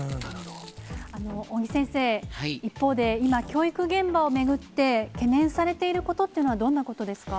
尾木先生、一方で今、教育現場を巡って懸念されていることっていうのは、どんなことですか。